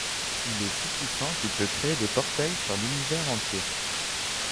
Il est si puissant qu'il peut créer des portails sur l'Univers entier.